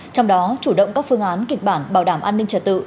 trong đó chủ động các phương án kịch bản bảo đảm an ninh trật tự